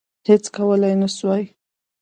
هیڅ کولای نه سوای.